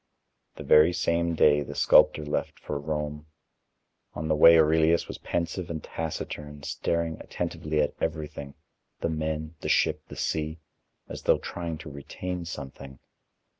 The very same day the sculptor left for Rome. On the way Aurelius was pensive and taciturn, staring attentively at everything the men, the ship, the sea, as though trying to retain something.